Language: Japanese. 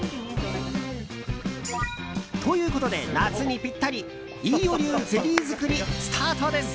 ということで、夏にぴったり飯尾流ゼリー作りスタートです。